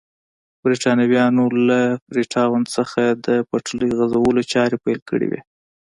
برېټانویانو له فري ټاون څخه د پټلۍ غځولو چارې پیل کړې وې.